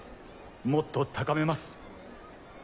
もっと高めます。